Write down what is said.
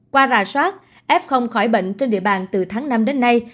qua rà soát f khỏi bệnh trên địa bàn từ tháng năm đến nay